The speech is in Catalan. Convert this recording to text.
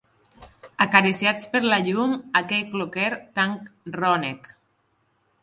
...acariciats per la llum; aquell cloquer tan rònec